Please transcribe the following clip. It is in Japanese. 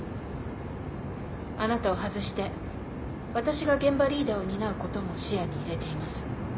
あなたを外して私が現場リーダーを担うことも視野に入れています。